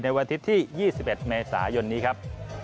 วันอาทิตย์ที่๒๑เมษายนนี้ครับ